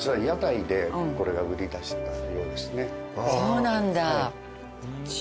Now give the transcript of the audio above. そうなんだ。